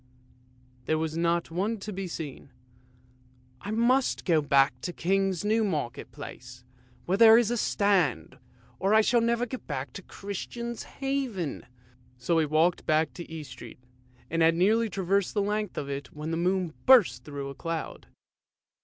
" There was not one to be seen. " I must go back to the King's New Market Place, where there is a stand, or I shall never get back, to Christian's Haven." So then he walked back to East Street, and had nearly traversed the length of it, when the moon burst through a cloud.